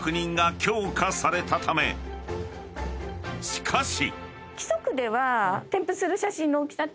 ［しかし］